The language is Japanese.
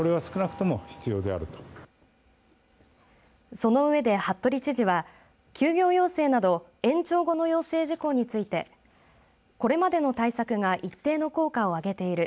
その上で、服部知事は休業要請など延長後の要請事項についてこれまでの対策が一定の効果を上げている。